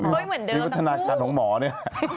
เหมือนเดิมวิวัฒนาการของหมอเนี่ย